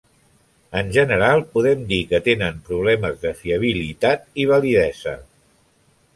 En general podem dir que tenen problemes de fiabilitat i validesa.